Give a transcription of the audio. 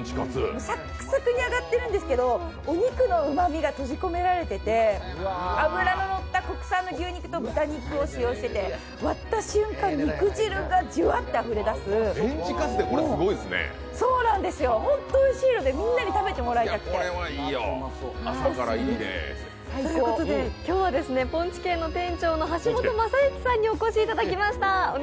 サックサクに揚がってるんですけどお肉のうまみが閉じ込められていて脂ののった国産の牛肉と豚肉を使用してて、割った瞬間、肉汁がじゅわってあふれ出す本当おいしいのでみんなに食べてもらいたくて、最高ということで今日はポンチ軒の店長の橋本正幸さんにお越しいただきました。